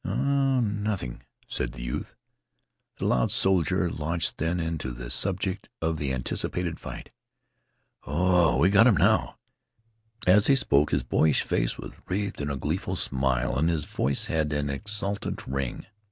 "Oh, nothing," said the youth. The loud soldier launched then into the subject of the anticipated fight. "Oh, we've got 'em now!" As he spoke his boyish face was wreathed in a gleeful smile, and his voice had an exultant ring.